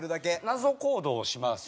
謎行動をしますよね